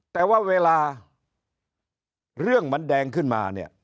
แต่ว่าเวลาเรื่องมันแดงขึ้นมาเนี่ย